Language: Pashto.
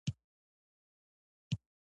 پوهه د ژوند د ژورتیا احساس ورکوي.